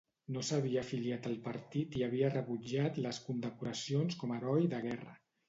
No s'havia afiliat al partit i havia rebutjat les condecoracions com a heroi de guerra.